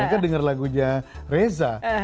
mereka dengar lagunya reza